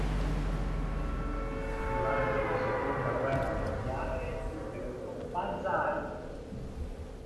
Durante la seconda guerra mondiale, il grido "Banzai!